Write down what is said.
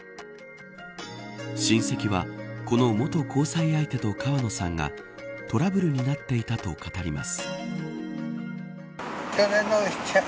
親戚はこの元交際相手と川野さんがトラブルになっていたと語ります。